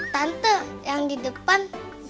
tante yang di depan